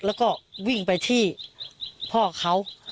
แล้วก็วิ่งไปที่พ่อเขา